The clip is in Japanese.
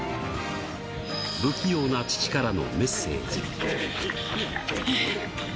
不器用な父からのメッセージ。